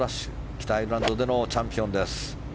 北アイルランドでのチャンピオンです。